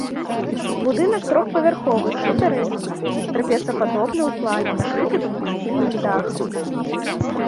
Будынак трохпавярховы з сутарэннямі, трапецападобны ў плане, накрыты двухсхільным дахам.